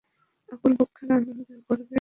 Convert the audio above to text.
অপুর বুকখানা আনন্দে ও গর্বে দশহান্ত হইল।